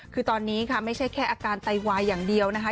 คือตอนนี้ค่ะไม่ใช่แค่อาการไตวายอย่างเดียวนะคะ